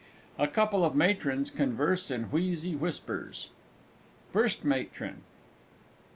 A couple of Matrons converse in wheezy whispers_. FIRST MATRON.